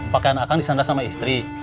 pakaian akan disandar sama istri